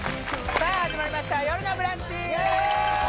さあ始まりました「よるのブランチ」！